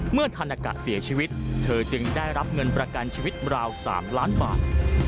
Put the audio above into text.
ธานากะเสียชีวิตเธอจึงได้รับเงินประกันชีวิตราว๓ล้านบาท